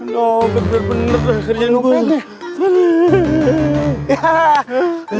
no bener bener kelihatan gua